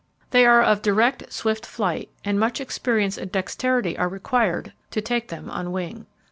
They are of direct swift flight, and much experience and dexterity are required to take them on wing.